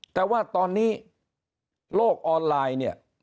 แต่ว่าตอนนี้โลกออนไลน์เนี่ย